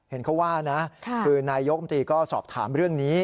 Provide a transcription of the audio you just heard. เห็นเขาว่านะคือนายกรรมตรีก็สอบถามเรื่องนี้